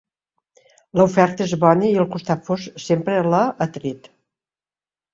L'oferta és bona i el costat fosc sempre l'ha atret.